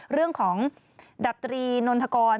เรื่องของดับตรีนนทกร